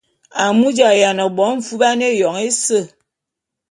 Amu j’ayiane bo mfuban éyoñ ése.